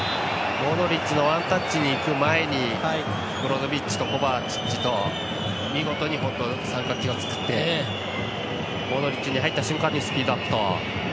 モドリッチのワンタッチにいく前にブロゾビッチとコバチッチと見事に三角形を作ってモドリッチに入った瞬間にスピードアップと。